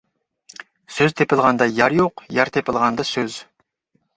سۆز تېپىلغاندا يار يوق، يار تېپىلغاندا سۆز.